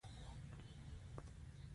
بس همدا یو ځواب وو چې داسې یې ویل.